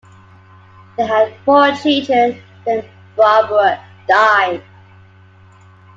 They had four children, then Barbara died.